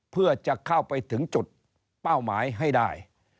เพื่อจะเข้าไปถึงจุดเป้าหมายให้ได้